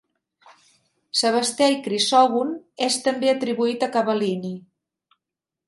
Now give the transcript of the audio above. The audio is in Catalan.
Sebastià i Crisògon, és també atribuït a Cavallini.